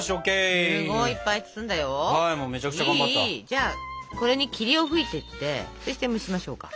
じゃあこれに霧を吹いてってそして蒸しましょうか。